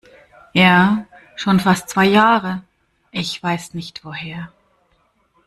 Ja, schon fast zwei Jahre. Ich weiß nicht woher.